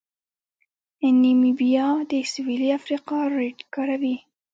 نیمیبیا د سویلي افریقا رینډ کاروي.